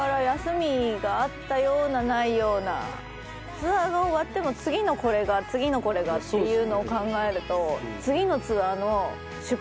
ツアーが終わっても次のこれが次のこれがっていうのを考えると。